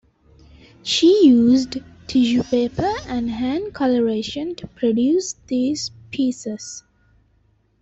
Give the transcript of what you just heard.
She used tissue paper and hand colouration to produce these pieces.